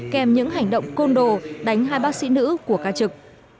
kèm những hành động côn đồ đánh hai bác sĩ nữ của ca trực